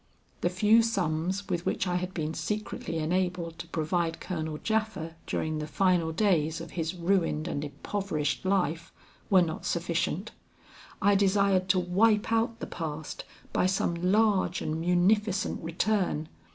The few sums with which I had been secretly enabled to provide Colonel Japha during the final days of his ruined and impoverished life, were not sufficient. I desired to wipe out the past by some large and munificent return.